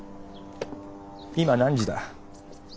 今何時だ？